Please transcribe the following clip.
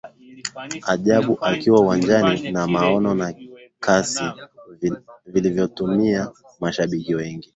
Ajabu akiwa uwanjani na maono na kasi vilivyovutia mashabiki wengi